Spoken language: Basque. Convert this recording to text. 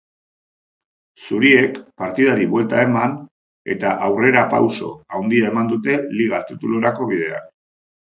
Zuriek partidari buelta eman eta aurrerapauso handia eman dute liga titulurako bidean.